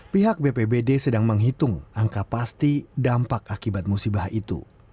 pihak bpbd sedang menghitung angka pasti dampak akibat musibah itu